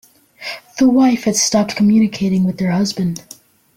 The wife had stopped communicating with her husband